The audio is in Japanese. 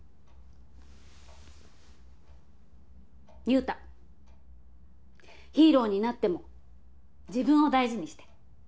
優太ヒーローになっても自分を大事にして。